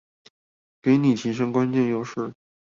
給你提升關鍵優勢